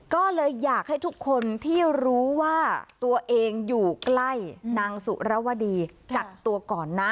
ก็เลยอยากให้ทุกคนที่รู้ว่าตัวเองอยู่ใกล้นางสุรวดีกักตัวก่อนนะ